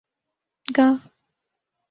گا